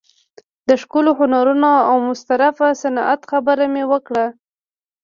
د ښکلو هنرونو او مستطرفه صنعت خبره مې وکړه.